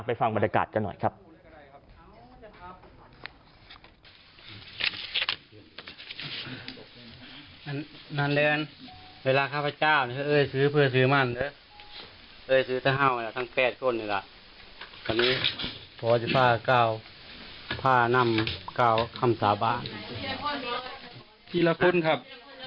ฟังบรรยากาศกันหน่อยครับ